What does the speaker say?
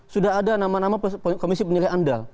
sudah ada nama nama komisi penilai amdal